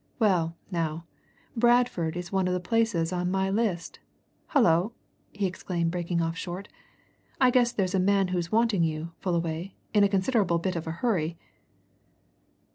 Well, now, Bradford is one of the places on my list hullo!" he exclaimed, breaking off short. "I guess here's a man who's wanting you, Fullaway, in a considerable bit of a hurry."